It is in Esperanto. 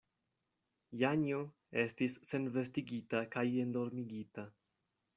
Janjo estis senvestigita kaj endormigita.